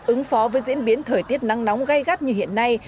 ứng phó với diễn biến thời tiết nắng nóng gai gắt như hiện nay